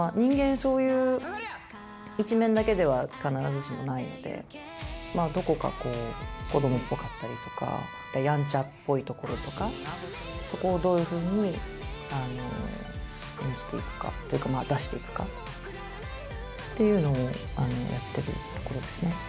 そういう一面だけでは必ずしもないのでどこかこう子どもっぽかったりとかやんちゃっぽいところとかそこをどういうふうに演じていくかというか出していくかっていうのをやってるところですね。